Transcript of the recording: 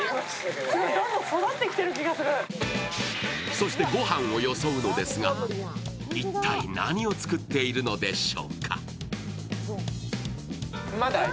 そして、御飯をよそうのですが、一体、何を作っているのでしょうか？